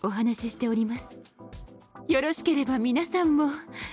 よろしければ皆さんも。